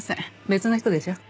別の人でしょ。